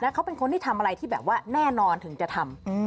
เขาเป็นคนที่ทำอะไรที่แบบว่าแน่นอนถึงจะทำ